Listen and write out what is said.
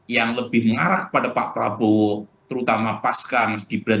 yang lebih mengarah kepada pak prabowo terutama pasca mas gibran